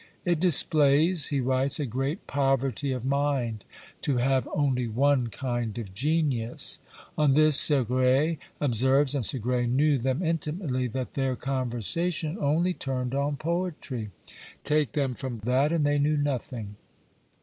"It displays," he writes, "a great poverty of mind to have only one kind of genius." On this Segrais observes, and Segrais knew them intimately, that their conversation only turned on poetry; take them from that, and they knew nothing.